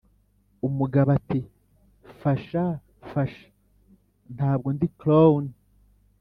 umugabo ati: 'fasha, fasha.' 'ntabwo ndi clown.'